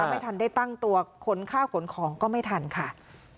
ไม่ทันได้ตั้งตัวขนข้าวขนของก็ไม่ทันค่ะ